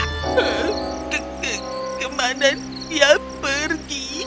he ke ke kemana dia pergi